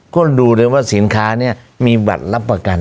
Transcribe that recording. ก็ดุเลยหรือนี่มีบัตรรับประกัน